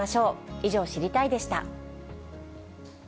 以上、知りたいッ！でした。